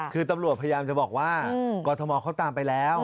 คือตำรวจพยายามจะบอกว่ากรทมเขาตามไปแล้ว